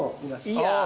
いや。